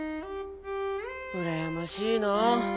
うらやましいなあ。